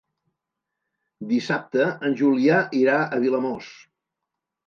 Dissabte en Julià irà a Vilamòs.